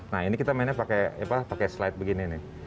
nah ini kita mainnya pakai slide begini nih